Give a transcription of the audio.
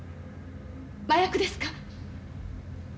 麻薬ですか？